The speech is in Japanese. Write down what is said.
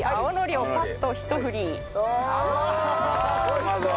うまそう！